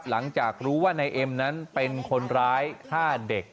หลังจากรู้ว่านายเอ็มนั้นเป็นคนร้ายฆ่าเด็ก